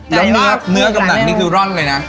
แล้วเนื้อกับหนังนี่คือร่อนเลยนะ